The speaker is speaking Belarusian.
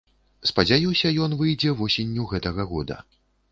Спадзяюся, ён выйдзе восенню гэтага года.